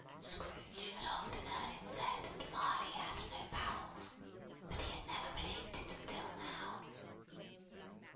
Scrooge had often heard it said that Marley had no bowels, but he had never believed it until now.